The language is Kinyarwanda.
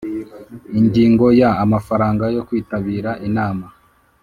Ingingo ya amafaranga yo kwitabira inama